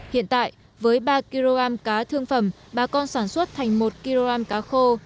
hiện tại với ba kg cá thương phẩm bà con sản xuất thành một kg cá khô